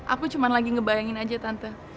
aku cuma lagi ngebayangin aja tante